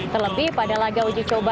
terlebih pada laga uji coba